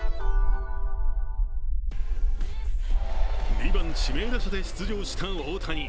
２番・指名打者で出場した大谷。